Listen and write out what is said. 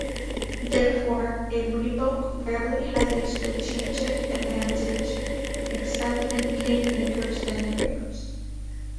Therefore, a revoke rarely has a strategic advantage, except in kingmaker scenarios.